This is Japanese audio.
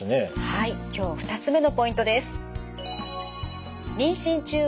今日２つ目のポイントです。